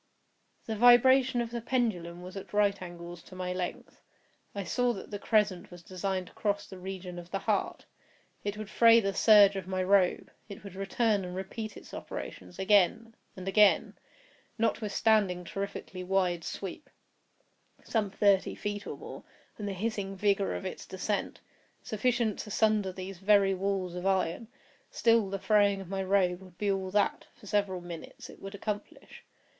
The vibration of the pendulum was at right angles to my length. I saw that the crescent was designed to cross the region of the heart. It would fray the serge of my robe—it would return and repeat its operations—again—and again. Notwithstanding its terrifically wide sweep (some thirty feet or more) and the hissing vigor of its descent, sufficient to sunder these very walls of iron, still the fraying of my robe would be all that, for several minutes, it would accomplish.